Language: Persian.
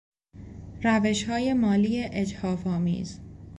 روشهای مالی اجحافآمیز